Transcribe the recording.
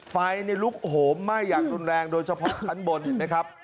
ไฟลุกโหมไหม้อย่างรุนแรงโดยเฉพาะชั้นบนนะครับ